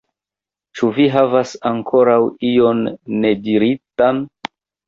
Ĉu vi havas ankoraŭ ion nediritan?